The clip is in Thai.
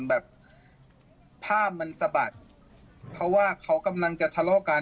แบบภาพมันสะบัดเพราะว่าเขากำลังจะทะเลาะกัน